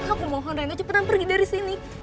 aku mohon raina cepetan pergi dari sini